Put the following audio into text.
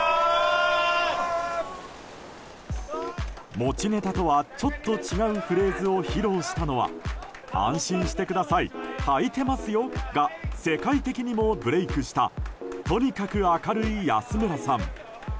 持ちネタとはちょっと違うフレーズを披露したのは「安心してくださいはいてますよ」が世界的にもブレークしたとにかく明るい安村さん。